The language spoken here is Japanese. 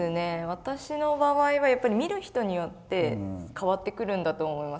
私の場合はやっぱり見る人によって変わってくるんだと思います。